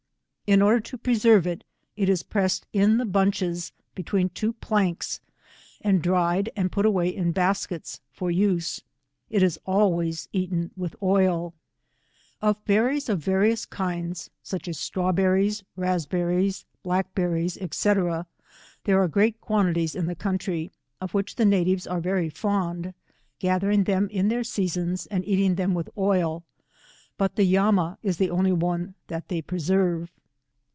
In order to pre* serve it, it is pressed in the bunches between two planks, and dried and put away in baskets for use. It is always eaten wilh oil. Of berries of various kinds, such as straw ber ries, raspberries, black berries, &c. there are great L 2 1 lie qnantities in the country, of which the natives ape very fond, gathering them io their seasons and eaU ingthem with oil, bat the yaina is the only one that they preaerve.